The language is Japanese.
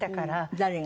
誰が？